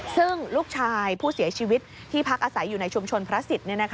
ซึ่งลูกชายผู้เสียชีวิตที่พักอาศัยอยู่ในชุมชนพระศิษย์